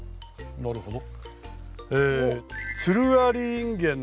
なるほど。